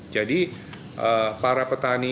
jadi para petani